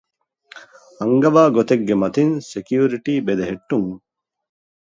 އަންގަވާގޮތެއްގެމަތީން ސެކިއުރިޓީ ބެލެހެއްޓުން